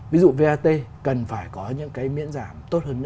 ví dụ vat cần phải có những cái miễn giảm